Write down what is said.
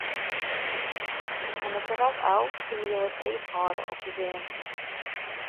Fan it terras ôf kinne jo it each hâlde op jo bern.